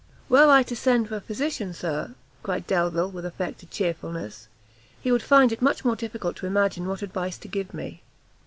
"Were I to send for a physician, Sir," cried Delvile, with affected chearfulness, "he would find it much more difficult to imagine what advice to give me."